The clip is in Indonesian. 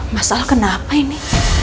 masalah kenapa ini